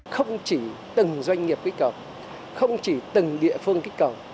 không chỉ từng doanh nghiệp kích cầu không chỉ từng địa phương kích cầu